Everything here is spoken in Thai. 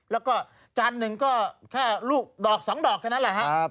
แล้วก็จานนึงก็แค่ลูกดอก๒ดอกแค่นั้นแหละฮะ